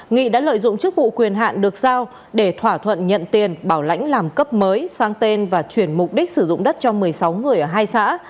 nghị đã lợi dụng chức vụ quyền hạn được giao để thỏa thuận nhận tiền bảo lãnh làm cấp mới sang tên và chuyển mục đích sử dụng đất cho một mươi sáu người ở hai xã